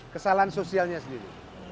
kesalahan sosialnya sendiri